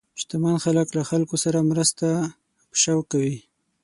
شتمن خلک له خلکو سره مرسته په شوق کوي.